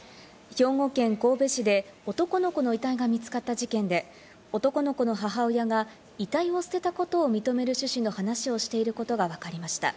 兵庫県神戸市で男の子の遺体が見つかった事件で、男の子の母親が遺体を捨てたことを認める趣旨の話をしていることがわかりました。